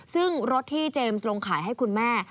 ซึ่งรถที่เจมส์ลงขายให้คุณแม่